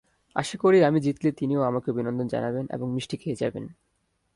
আশা করি, আমি জিতলে তিনিও আমাকে অভিনন্দন জানাবেন এবং মিষ্টি খেয়ে যাবেন।